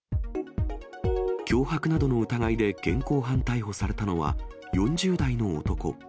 脅迫などの疑いで現行犯逮捕されたのは、４０代の男。